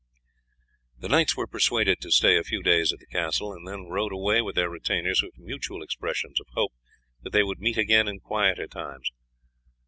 The knights were persuaded to stay a few days at the castle, and then rode away with their retainers with mutual expressions of hope that they would meet again in quieter times.